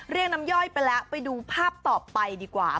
เรียกน้ำย่อยไปแล้วไปดูภาพต่อไปดีกว่า